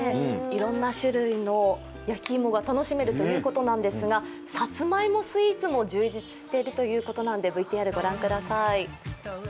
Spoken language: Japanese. いろんな種類の焼き芋が楽しめるということなんですがさつまいもスイーツも充実しているということで、ＶＴＲ御覧ください。